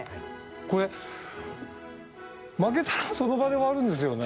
これ負けたらその場で終わるんですよね？